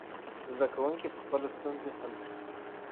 زده کوونکي به خپلې ستونزې حل کړي.